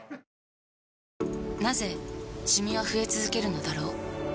なぜシミは増え続けるのだろう